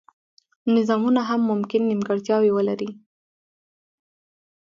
نظامونه هم ممکن نیمګړتیاوې ولري.